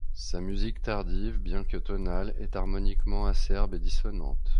Sa musique tardive — bien que tonale — est harmoniquement acerbe et dissonante.